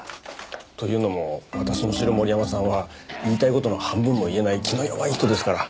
というのも私の知る森山さんは言いたい事の半分も言えない気の弱い人ですから。